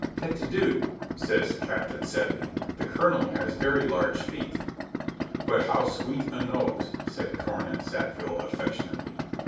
"Tetedieu," says Captain Sedley, "the colonel has very large feet." "But how sweet a nose," said Cornet Sackville af fectionately.